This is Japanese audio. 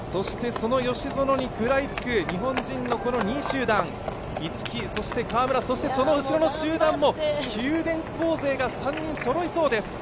そしてその吉薗に食らいつく日本人の２位集団逸木、そして川村、その後ろの集団も九電工勢が３人そろいそうです。